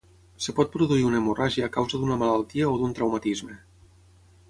Es pot produir una hemorràgia a causa d'una malaltia o d'un traumatisme.